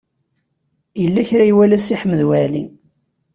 Yella kra i iwala Si Ḥmed Waɛli.